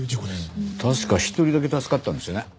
確か１人だけ助かったんですよね。